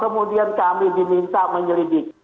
kemudian kami diminta menyelidik